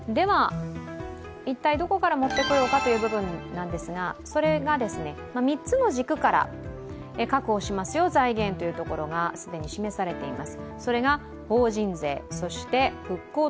一体どこから持ってこようかという部分ですが３つの軸から確保しますよという財源というところが既に示されています。